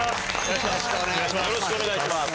よろしくお願いします。